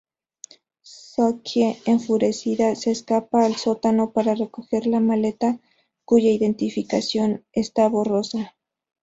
Sookie, enfurecida, se escapa al sótano para recoger la maleta, cuya identificación está borrosa.